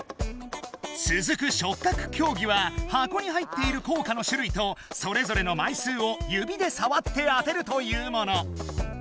つづく触覚競技は箱に入っている硬貨のしゅるいとそれぞれの枚数を指でさわって当てるというもの。